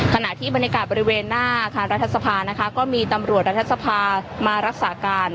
ขณะที่บรรยากาศบริเวณหน้าอาคารรัฐสภานะคะก็มีตำรวจรัฐสภามารักษาการ